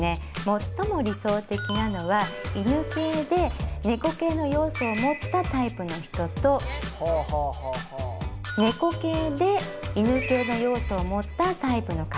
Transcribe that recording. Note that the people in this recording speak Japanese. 最も理想的なのは犬系で猫系の要素を持ったタイプの人と猫系で犬系の要素を持ったタイプの方が相性がいいです。